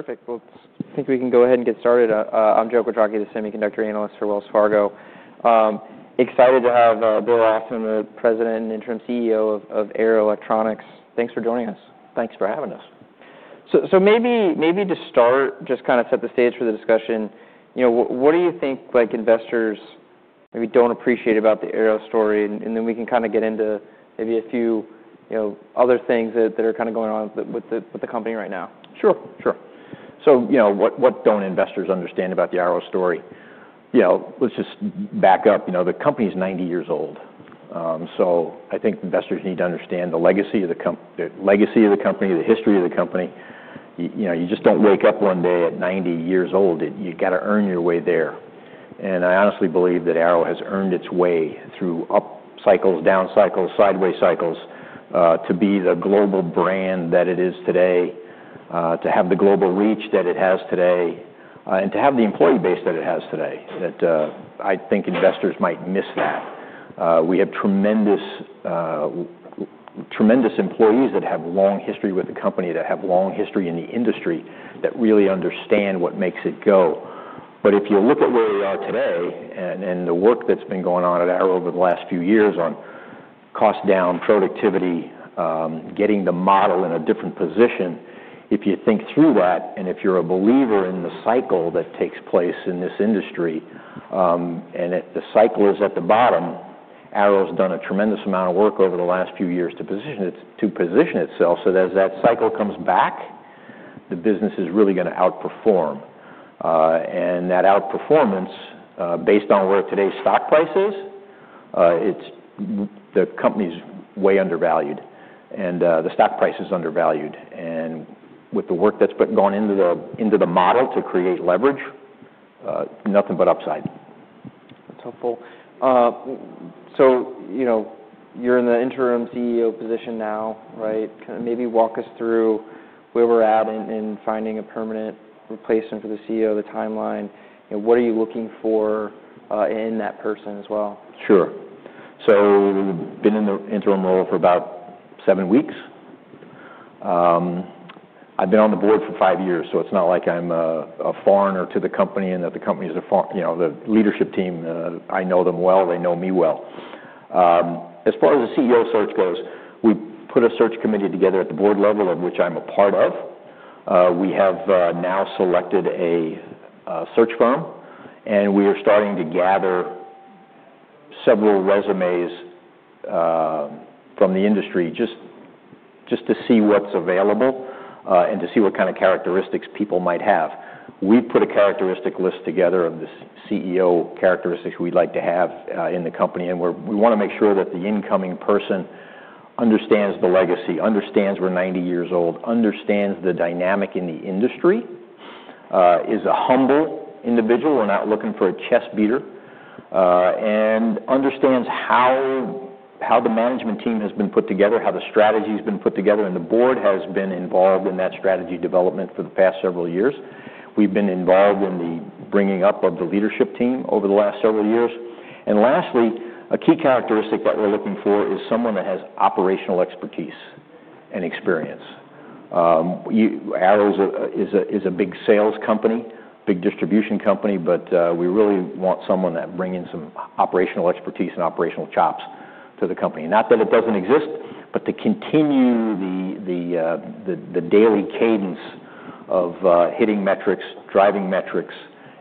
All right. Perfect. I think we can go ahead and get started. I'm Joe Petrocchi, the semiconductor analyst for Wells Fargo. Excited to have Bill Alston, the President and interim CEO of Arrow Electronics. Thanks for joining us. Thanks for having us. Maybe to start, just kinda set the stage for the discussion, you know, what do you think, like, investors maybe don't appreciate about the Arrow story? And then we can kinda get into maybe a few, you know, other things that are kinda going on with the company right now. Sure. Sure. You know, what don't investors understand about the Arrow story? Let's just back up. You know, the company's 90 years old. I think investors need to understand the legacy of the company, the history of the company. You know, you just don't wake up one day at 90 years old. You gotta earn your way there. I honestly believe that Arrow has earned its way through up cycles, down cycles, sideways cycles, to be the global brand that it is today, to have the global reach that it has today, and to have the employee base that it has today. I think investors might miss that. We have tremendous, tremendous employees that have long history with the company, that have long history in the industry, that really understand what makes it go. If you look at where we are today and the work that's been going on at Arrow over the last few years on cost down, productivity, getting the model in a different position, if you think through that, and if you're a believer in the cycle that takes place in this industry, and if the cycle is at the bottom, Arrow's done a tremendous amount of work over the last few years to position itself so that as that cycle comes back, the business is really gonna outperform. That outperformance, based on where today's stock price is, it's the company's way undervalued. The stock price is undervalued. With the work that's been going into the model to create leverage, nothing but upside. That's helpful. So, you know, you're in the interim CEO position now, right? Kinda maybe walk us through where we're at in finding a permanent replacement for the CEO, the timeline. You know, what are you looking for, in that person as well? Sure. Been in the interim role for about seven weeks. I've been on the board for five years, so it's not like I'm a foreigner to the company and that the company's a foreigner, you know, the leadership team, I know them well. They know me well. As far as the CEO search goes, we put a search committee together at the board level, of which I'm a part. We have now selected a search firm, and we are starting to gather several resumes from the industry just to see what's available, and to see what kind of characteristics people might have. We put a characteristic list together of the CEO characteristics we'd like to have in the company, and we want to make sure that the incoming person understands the legacy, understands we're 90 years old, understands the dynamic in the industry, is a humble individual. We're not looking for a chess beater, and understands how the management team has been put together, how the strategy's been put together, and the board has been involved in that strategy development for the past several years. We've been involved in the bringing up of the leadership team over the last several years. Lastly, a key characteristic that we're looking for is someone that has operational expertise and experience. Arrow's a big sales company, big distribution company, but we really want someone that brings in some operational expertise and operational chops to the company. Not that it doesn't exist, but to continue the daily cadence of hitting metrics, driving metrics,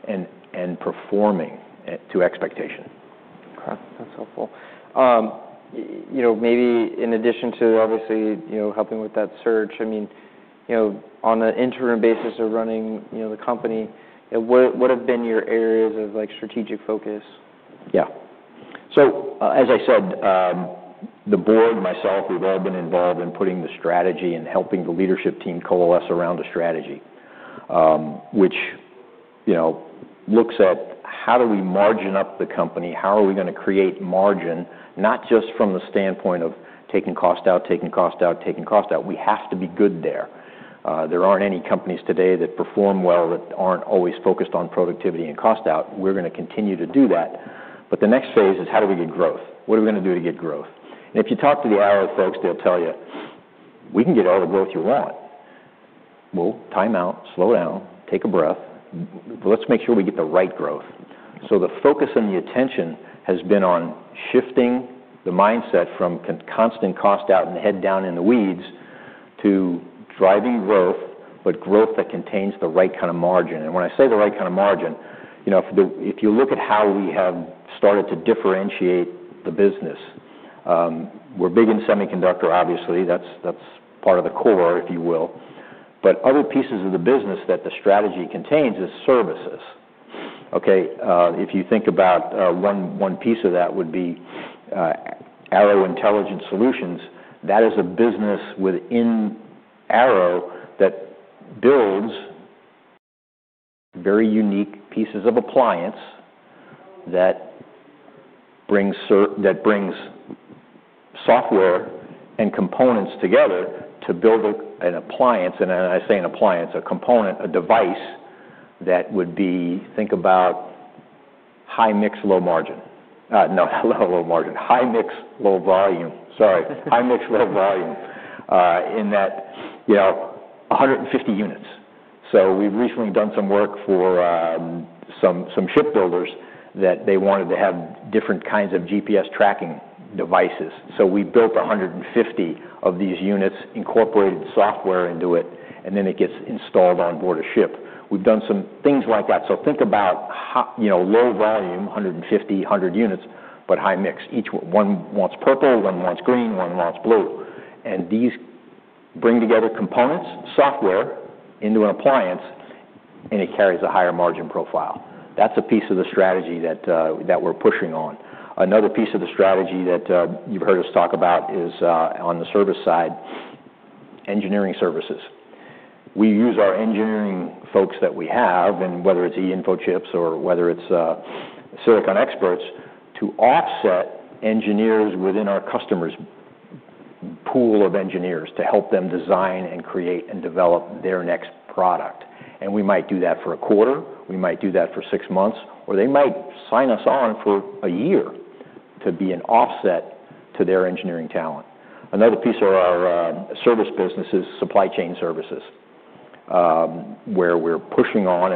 and performing to expectation. Okay. That's helpful. You know, maybe in addition to, obviously, you know, helping with that search, I mean, you know, on an interim basis of running, you know, the company, what have been your areas of, like, strategic focus? Yeah. As I said, the board, myself, we've all been involved in putting the strategy and helping the leadership team coalesce around a strategy, which, you know, looks at how do we margin up the company? How are we gonna create margin? Not just from the standpoint of taking cost out, taking cost out, taking cost out. We have to be good there. There aren't any companies today that perform well that aren't always focused on productivity and cost out. We're gonna continue to do that. The next phase is how do we get growth? What are we gonna do to get growth? If you talk to the Arrow folks, they'll tell you, "We can get all the growth you want." Time out, slow down, take a breath. Let's make sure we get the right growth. The focus and the attention has been on shifting the mindset from constant cost out and head down in the weeds to driving growth, but growth that contains the right kinda margin. And when I say the right kinda margin, you know, if you look at how we have started to differentiate the business, we're big in semiconductor, obviously. That's, that's part of the core, if you will. But other pieces of the business that the strategy contains is services. Okay? If you think about, one, one piece of that would be, Arrow Intelligence Solutions. That is a business within Arrow that builds very unique pieces of appliance that brings, that brings software and components together to build a, an appliance. And I say an appliance, a component, a device that would be, think about high mix, low margin. No, not low, low margin. High mix, low volume. Sorry. High mix, low volume. In that, you know, 150 units. We've recently done some work for some ship builders that they wanted to have different kinds of GPS tracking devices. We built 150 of these units, incorporated software into it, and then it gets installed on board a ship. We've done some things like that. Think about how, you know, low volume, 150, 100 units, but high mix. Each one wants purple, one wants green, one wants blue. These bring together components, software into an appliance, and it carries a higher margin profile. That's a piece of the strategy that we're pushing on. Another piece of the strategy that you've heard us talk about is, on the service side, engineering services. We use our engineering folks that we have, and whether it's eInfochips or whether it's SiliconExpert, to offset engineers within our customer's pool of engineers to help them design and create and develop their next product. We might do that for a quarter. We might do that for six months, or they might sign us on for a year to be an offset to their engineering talent. Another piece of our service business is supply chain services, where we're pushing on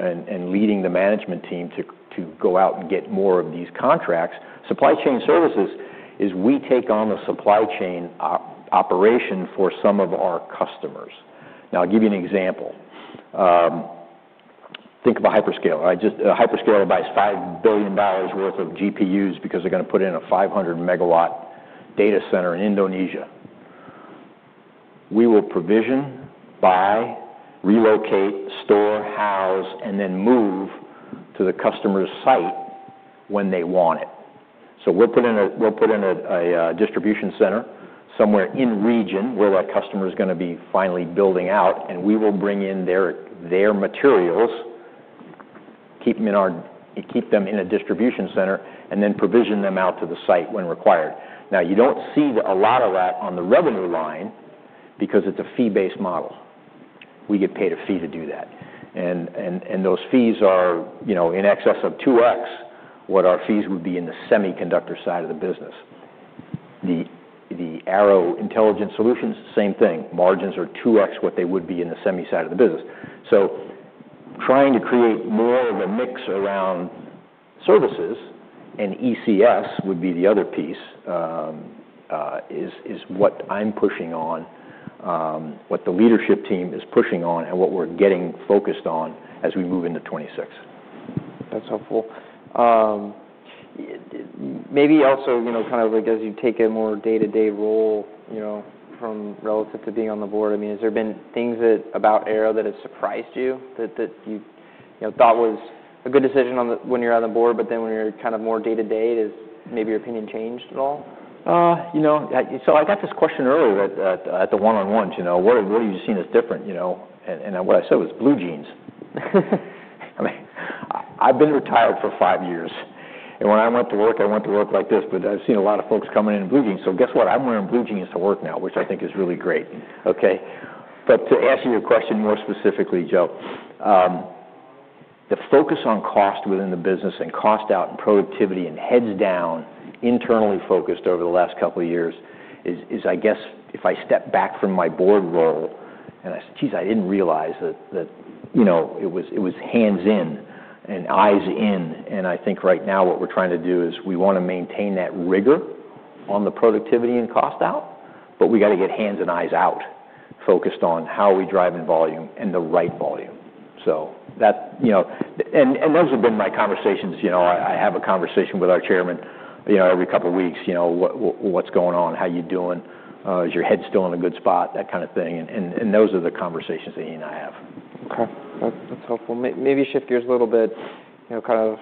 and leading the management team to go out and get more of these contracts. Supply chain services is we take on the supply chain operation for some of our customers. Now, I'll give you an example. Think of a hyperscaler. A hyperscaler buys $5 billion worth of GPUs because they're going to put in a 500-MW data center in Indonesia. We will provision, buy, relocate, store, house, and then move to the customer's site when they want it. We'll put in a distribution center somewhere in region where that customer's gonna be finally building out, and we will bring in their materials, keep them in our distribution center, and then provision them out to the site when required. Now, you don't see a lot of that on the revenue line because it's a fee-based model. We get paid a fee to do that. Those fees are, you know, in excess of 2X what our fees would be in the semiconductor side of the business. The Arrow Intelligence Solutions, same thing. Margins are 2X what they would be in the semi side of the business. Trying to create more of a mix around services and ECS would be the other piece, is what I'm pushing on, what the leadership team is pushing on, and what we're getting focused on as we move into 2026. That's helpful. Maybe also, you know, kind of, like, as you take a more day-to-day role, you know, from relative to being on the board, I mean, has there been things that about Arrow that has surprised you that, that you, you know, thought was a good decision on the when you're on the board, but then when you're kind of more day-to-day, has maybe your opinion changed at all? You know, I got this question earlier at the one-on-ones, you know. What have you seen that's different, you know? What I said was blue jeans. I mean, I've been retired for five years, and when I went to work, I went to work like this, but I've seen a lot of folks coming in in blue jeans. So guess what? I'm wearing blue jeans to work now, which I think is really great. Okay. To answer your question more specifically, Joe, the focus on cost within the business and cost out and productivity and heads down internally focused over the last couple of years is, I guess if I step back from my board role and I said, "Jeez, I didn't realize that, that, you know, it was hands in and eyes in." I think right now what we're trying to do is we want to maintain that rigor on the productivity and cost out, but we have to get hands and eyes out focused on how are we driving volume and the right volume. You know, and those have been my conversations. You know, I have a conversation with our chairman every couple of weeks, you know, what, what's going on? How are you doing? Is your head still in a good spot? That kind of thing. And those are the conversations that he and I have. Okay. That's helpful. Maybe shift gears a little bit, you know, kind of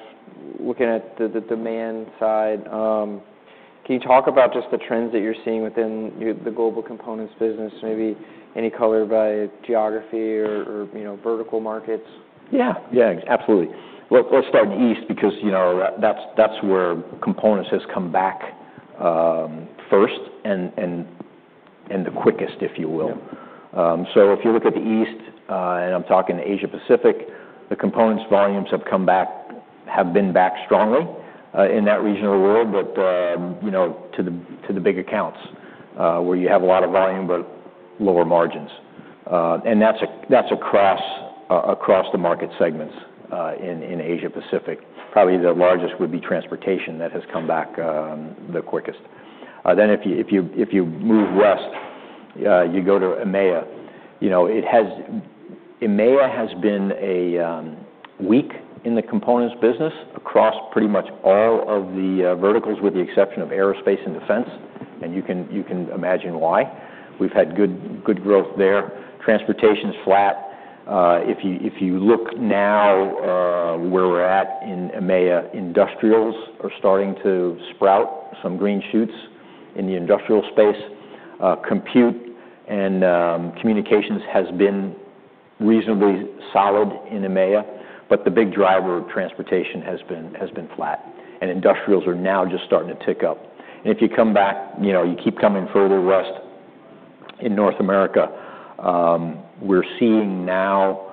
looking at the, the demand side. Can you talk about just the trends that you're seeing within your global components business, maybe any color by geography or, or, you know, vertical markets? Yeah. Yeah. Absolutely. Let's start east because, you know, that's, that's where components has come back, first and, and the quickest, if you will. Yeah. If you look at the east, and I'm talking Asia-Pacific, the components volumes have come back, have been back strongly in that region of the world, but, you know, to the big accounts, where you have a lot of volume but lower margins. That's across the market segments in Asia-Pacific. Probably the largest would be transportation that has come back the quickest. If you move west, you go to EMEA. EMEA has been weak in the components business across pretty much all of the verticals with the exception of aerospace and defense, and you can imagine why. We've had good growth there. Transportation's flat. If you look now where we're at in EMEA, industrials are starting to sprout some green shoots in the industrial space. Compute and communications has been reasonably solid in EMEA, but the big driver of transportation has been flat, and industrials are now just starting to tick up. If you come back, you know, you keep coming further west in North America, we're seeing now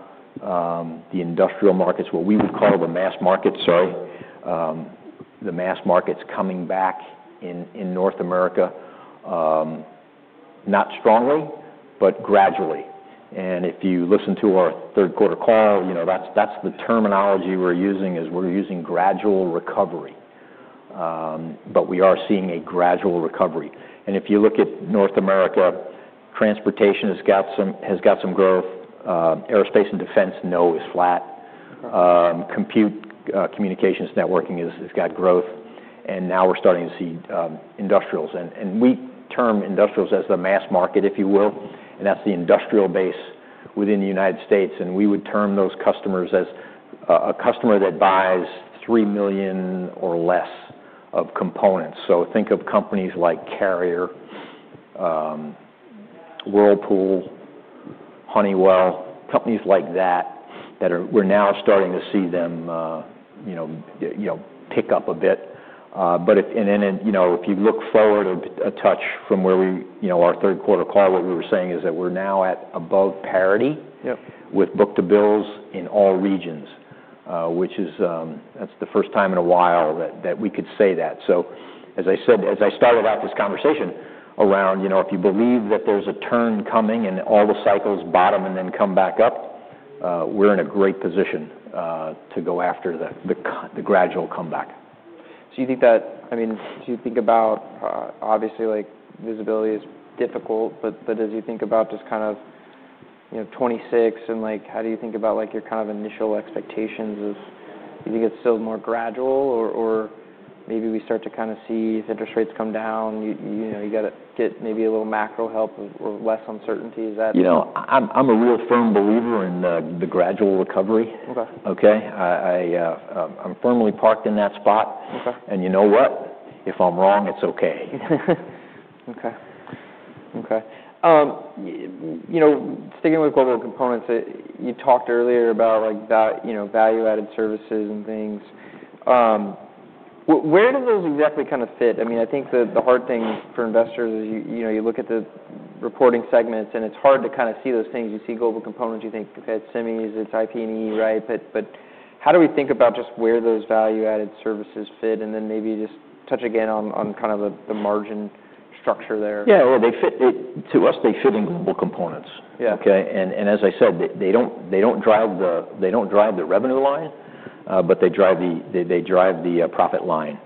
the industrial markets, what we would call the mass markets, sorry, the mass markets coming back in North America, not strongly but gradually. If you listen to our third-quarter call, you know, that's the terminology we're using is we're using gradual recovery. We are seeing a gradual recovery. If you look at North America, transportation has got some growth. Aerospace and defense is flat. Okay. Compute, communications, networking has got growth, and now we're starting to see industrials. We term industrials as the mass market, if you will, and that's the industrial base within the United States. We would term those customers as a customer that buys $3 million or less of components. So think of companies like Carrier, Whirlpool, Honeywell, companies like that that we're now starting to see them, you know, pick up a bit. If you look forward a touch from where we, you know, our third-quarter call, what we were saying is that we're now at above parity. Yeah. With book-to-bill in all regions, which is, that's the first time in a while that we could say that. As I said, as I started off this conversation around, you know, if you believe that there's a turn coming and all the cycles bottom and then come back up, we're in a great position to go after the gradual comeback. Do you think about, obviously, like, visibility is difficult, but as you think about just kind of, you know, 2026 and, like, how do you think about, like, your kind of initial expectations? Do you think it's still more gradual or maybe we start to kinda see if interest rates come down, you know, you gotta get maybe a little macro help or less uncertainty? Is that. You know, I'm a real firm believer in the gradual recovery. Okay. Okay, I'm firmly parked in that spot. Okay. You know what? If I'm wrong, it's okay. Okay. Okay. You know, sticking with global components, you talked earlier about, like, that, you know, value-added services and things. Where do those exactly kinda fit? I mean, I think the hard thing for investors is you, you know, you look at the reporting segments, and it's hard to kinda see those things. You see global components. You think it's semis. It's IP&E, right? But how do we think about just where those value-added services fit and then maybe just touch again on, on kind of the margin structure there? Yeah. They fit it to us, they fit in Global Components. Yeah. Okay? As I said, they do not drive the revenue line, but they drive the profit line.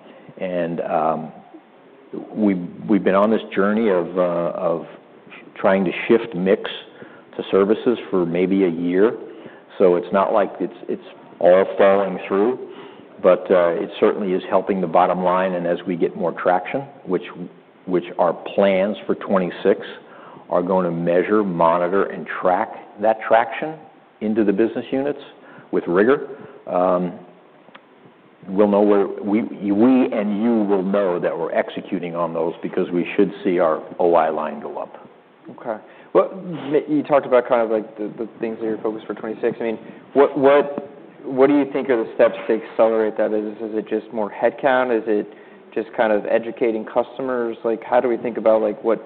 We have been on this journey of trying to shift mix to services for maybe a year. It is not like it is all flowing through, but it certainly is helping the bottom line. As we get more traction, which our plans for 2026 are going to measure, monitor, and track that traction into the business units with rigor, we will know where we, we and you will know that we are executing on those because we should see our OI line go up. Okay. You talked about kind of, like, the things that you're focused for 2026. I mean, what do you think are the steps to accelerate that? Is it just more headcount? Is it just kind of educating customers? Like, how do we think about, like, what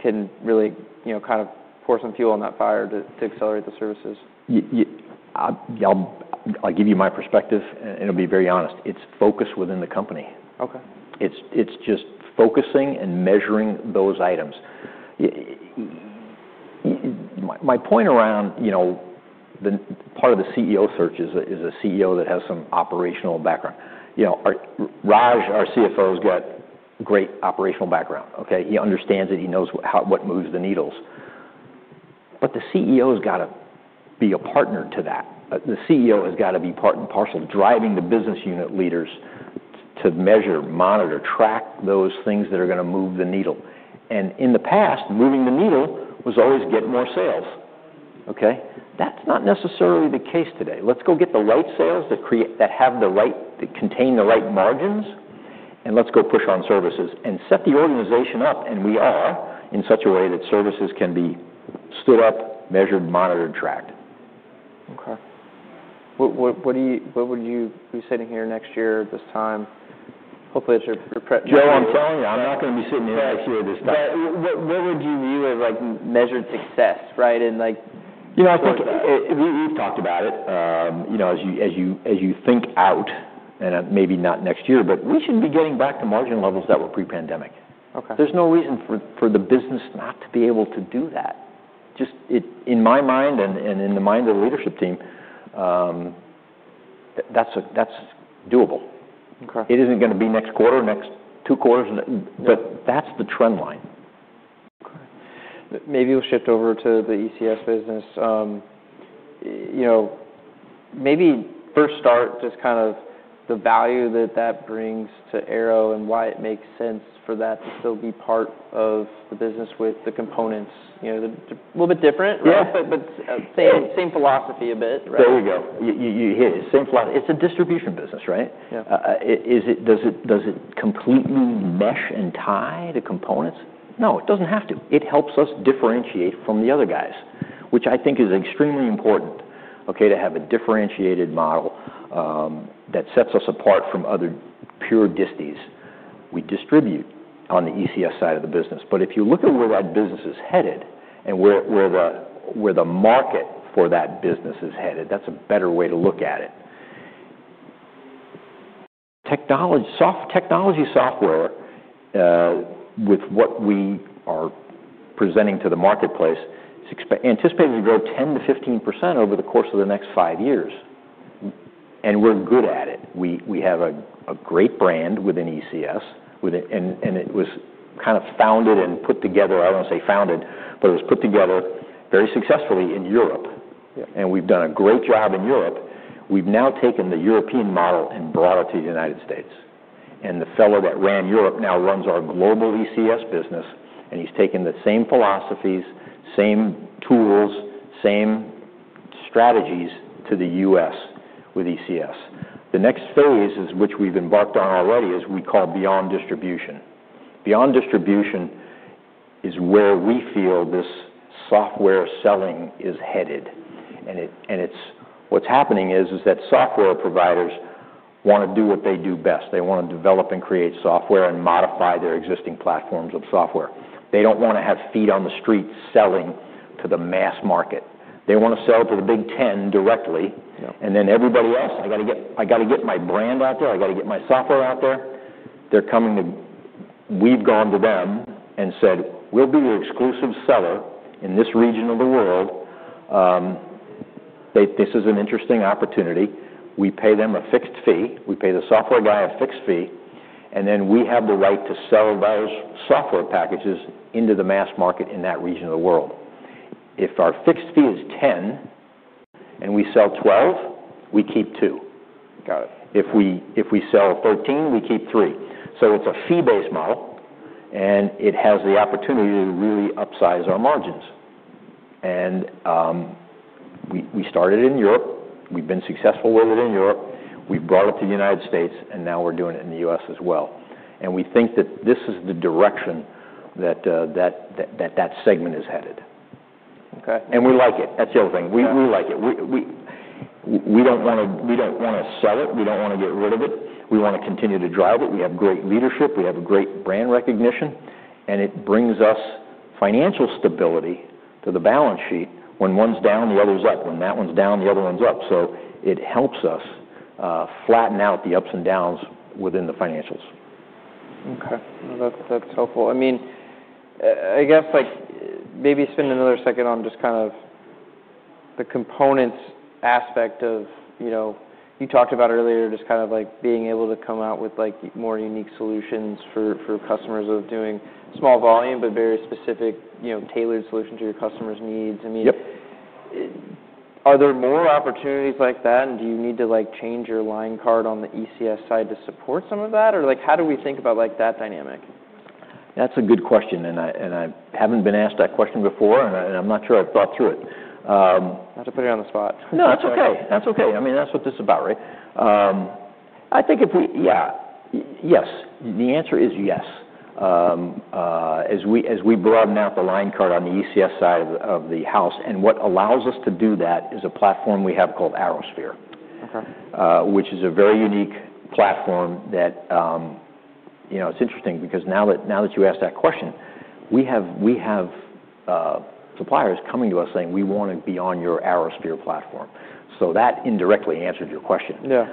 can really, you know, kind of pour some fuel on that fire to accelerate the services? I'll give you my perspective, and it'll be very honest. It's focus within the company. Okay. It's just focusing and measuring those items. My point around, you know, the part of the CEO search is a CEO that has some operational background. You know, Raj, our CFO, has got great operational background. Okay? He understands it. He knows what moves the needles. The CEO's gotta be a partner to that. The CEO has gotta be part and parcel driving the business unit leaders to measure, monitor, track those things that are gonna move the needle. In the past, moving the needle was always getting more sales. Okay? That's not necessarily the case today. Let's go get the right sales that have the right, that contain the right margins, and let's go push on services and set the organization up, and we are in such a way that services can be stood up, measured, monitored, tracked. Okay. What would you be sitting here next year at this time? Hopefully, it's your prep journey. Joe, I'm telling you, I'm not gonna be sitting here next year at this time. What would you view as, like, measured success, right, and, like, your performance? You know, I think we, we've talked about it. You know, as you as you think out, and maybe not next year, but we should be getting back to margin levels that were pre-pandemic. Okay. There's no reason for the business not to be able to do that. Just in my mind and in the mind of the leadership team, that's doable. Okay. It isn't gonna be next quarter, next two quarters, but that's the trend line. Okay. Maybe we'll shift over to the ECS business. You know, maybe first start just kind of the value that that brings to Arrow and why it makes sense for that to still be part of the business with the components. You know, a little bit different, right? Yeah. Same, same philosophy a bit, right? There you go. You hit it. Same philosophy. It's a distribution business, right? Yeah. Is it, does it completely mesh and tie to components? No, it doesn't have to. It helps us differentiate from the other guys, which I think is extremely important, okay, to have a differentiated model that sets us apart from other pure disties. We distribute on the ECS side of the business. If you look at where that business is headed and where the market for that business is headed, that's a better way to look at it. Technology software, with what we are presenting to the marketplace, it's anticipated to grow 10%-15% over the course of the next five years. And we're good at it. We have a great brand within ECS, and it was kind of founded and put together. I don't wanna say founded, but it was put together very successfully in Europe. Yeah. We have done a great job in Europe. We have now taken the European model and brought it to the United States. The fellow that ran Europe now runs our global ECS business, and he has taken the same philosophies, same tools, same strategies to the U.S. with ECS. The next phase, which we have embarked on already, is what we call Beyond Distribution. Beyond Distribution is where we feel this software selling is headed. What is happening is that software providers want to do what they do best. They want to develop and create software and modify their existing platforms of software. They do not want to have feet on the street selling to the mass market. They want to sell to the Big-Ten directly. Yeah. Everybody else, I gotta get my brand out there. I gotta get my software out there. They're coming to, we've gone to them and said, "We'll be your exclusive seller in this region of the world." They, this is an interesting opportunity. We pay them a fixed fee. We pay the software guy a fixed fee, and then we have the right to sell those software packages into the mass market in that region of the world. If our fixed fee is $10 and we sell $12, we keep $2. Got it. If we sell $13, we keep $3. So it's a fee-based model, and it has the opportunity to really upsize our margins. We started in Europe. We've been successful with it in Europe. We've brought it to the United States, and now we're doing it in the U.S. as well. We think that this is the direction that segment is headed. Okay. We like it. That's the other thing. We like it. We like it. We don't wanna sell it. We don't wanna get rid of it. We wanna continue to drive it. We have great leadership. We have great brand recognition, and it brings us financial stability to the balance sheet when one's down, the other's up. When that one's down, the other one's up. It helps us flatten out the ups and downs within the financials. Okay. No, that's helpful. I mean, I guess, like, maybe spend another second on just kind of the components aspect of, you know, you talked about earlier just kind of, like, being able to come out with, like, more unique solutions for customers of doing small volume but very specific, you know, tailored solutions to your customers' needs. I mean. Yep. Are there more opportunities like that, and do you need to, like, change your line card on the ECS side to support some of that? Or, like, how do we think about, like, that dynamic? That's a good question, and I haven't been asked that question before, and I'm not sure I've thought through it. Not to put you on the spot. No, that's okay. That's okay. I mean, that's what this is about, right? I think if we—yeah. Yes. The answer is yes. As we broaden out the line card on the ECS side of the house, and what allows us to do that is a platform we have called ArrowSphere. Okay. which is a very unique platform that, you know, it's interesting because now that you asked that question, we have suppliers coming to us saying, "We wanna be on your ArrowSphere platform." So that indirectly answered your question. Yeah.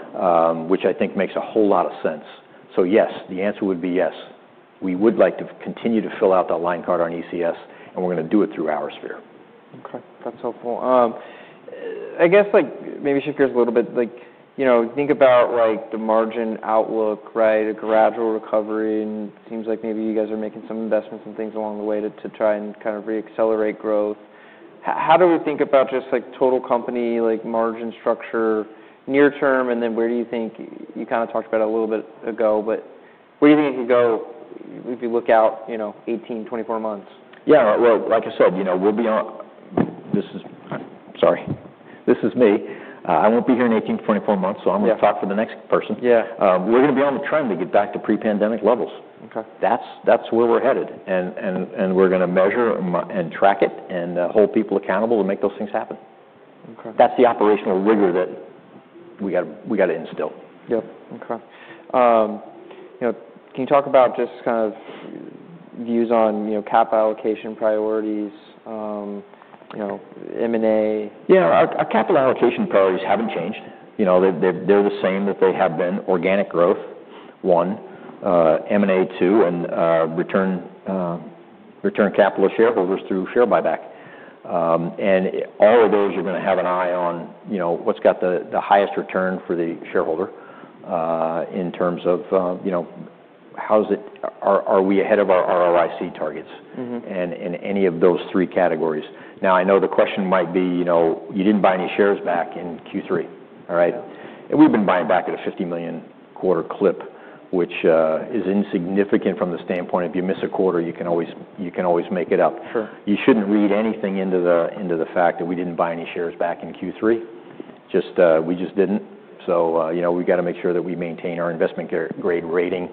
which I think makes a whole lot of sense. Yes, the answer would be yes. We would like to continue to fill out that line card on ECS, and we're gonna do it through ArrowSphere. Okay. That's helpful. I guess, like, maybe shift gears a little bit. Like, you know, think about, like, the margin outlook, right, a gradual recovery. And it seems like maybe you guys are making some investments and things along the way to try and kind of re-accelerate growth. How do we think about just, like, total company, like, margin structure near term? And then where do you think you kinda talked about it a little bit ago, but where do you think you could go if you look out, you know, 18, 24 months? Yeah. Like I said, you know, we'll be on this—sorry, this is me. I won't be here in 18-24 months, so I'm gonna talk for the next person. Yeah. We're gonna be on the trend to get back to pre-pandemic levels. Okay. That's where we're headed. We're gonna measure and track it and hold people accountable to make those things happen. Okay. That's the operational rigor that we gotta instill. Yep. Okay. you know, can you talk about just kind of views on, you know, capital allocation priorities, you know, M&A? Yeah. Our capital allocation priorities have not changed. You know, they are the same that they have been: organic growth, one, M&A two, and return capital to shareholders through share buyback. All of those are going to have an eye on, you know, what has the highest return for the shareholder, in terms of, you know, are we ahead of our ROIC targets. Mm-hmm. Any of those three categories. Now, I know the question might be, you know, you did not buy any shares back in Q3, all right? And we have been buying back at a $50 million quarter clip, which is insignificant from the standpoint if you miss a quarter, you can always make it up. Sure. You shouldn't read anything into the fact that we didn't buy any shares back in Q3. We just didn't. You know, we gotta make sure that we maintain our investment grade rating,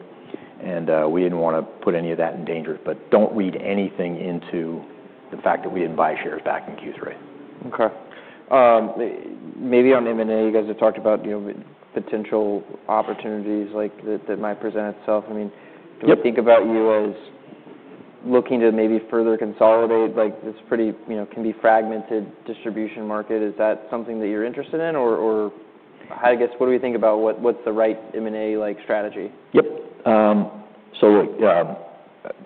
and we didn't wanna put any of that in danger. Don't read anything into the fact that we didn't buy shares back in Q3. Okay. Maybe on M&A, you guys have talked about, you know, potential opportunities, like, that, that might present itself. I mean. Yep. Do we think about you as looking to maybe further consolidate, like, this pretty, you know, can be fragmented distribution market? Is that something that you're interested in? Or I guess, what do we think about what, what's the right M&A, like, strategy? Yep. Look,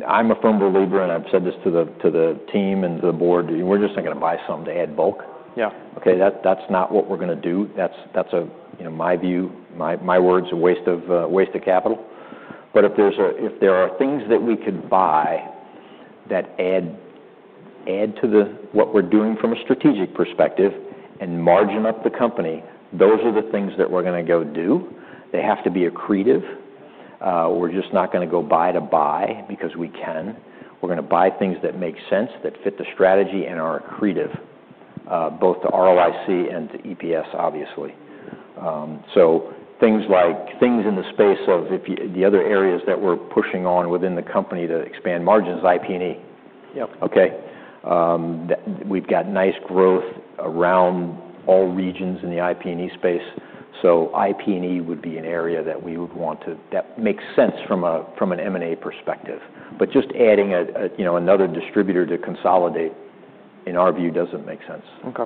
I'm a firm believer, and I've said this to the team and to the board. We're just not gonna buy something to add bulk. Yeah. Okay? That's not what we're gonna do. That's, that's a, you know, my view, my words, a waste of capital. If there are things that we could buy that add to what we're doing from a strategic perspective and margin up the company, those are the things that we're gonna go do. They have to be accretive. We're just not gonna go buy to buy because we can. We're gonna buy things that make sense, that fit the strategy, and are accretive, both to ROIC and to EPS, obviously. Things like things in the space of, if you, the other areas that we're pushing on within the company to expand margins, IP&E. Yep. Okay, that we've got nice growth around all regions in the IP&E space. So IP&E would be an area that we would want to, that makes sense from an M&A perspective. But just adding a, you know, another distributor to consolidate, in our view, doesn't make sense. Okay.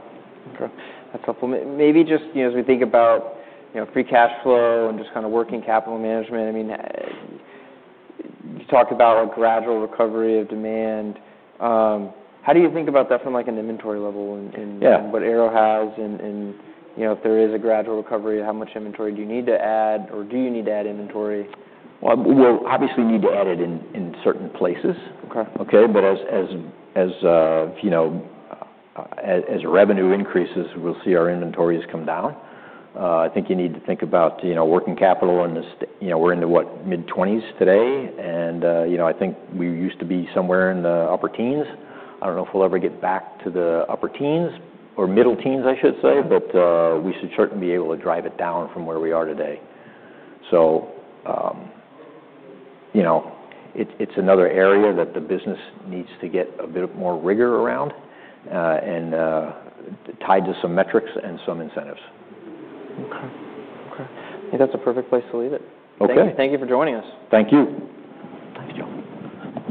Okay. That's helpful. Maybe just, you know, as we think about, you know, free cash flow and just kind of working capital management, I mean, you talked about a gradual recovery of demand. How do you think about that from, like, an inventory level and, and. Yeah. What Arrow has and, you know, if there is a gradual recovery, how much inventory do you need to add, or do you need to add inventory? We'll obviously need to add it in, in certain places. Okay. Okay, as you know, as revenue increases, we'll see our inventories come down. I think you need to think about, you know, working capital in the, you know, we're into what, mid-20s today? And, you know, I think we used to be somewhere in the upper teens. I don't know if we'll ever get back to the upper teens or middle teens, I should say, but we should certainly be able to drive it down from where we are today. You know, it's another area that the business needs to get a bit more rigor around, and tied to some metrics and some incentives. Okay. Okay. I think that's a perfect place to leave it. Okay. Thank you for joining us. Thank you. Thanks, Joe.